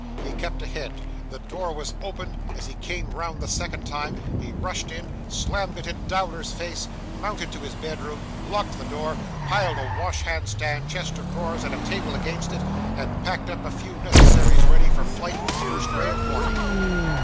He kept ahead; the door was open as he came round the second time; he rushed in, slammed it in Dowler's face, mounted to his bedroom, locked the door, piled a wash hand stand, chest of drawers, and a table against it, and packed up a few necessaries ready for flight with the first ray of morning.